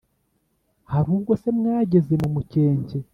hari ubwo se mwageze mu mukenke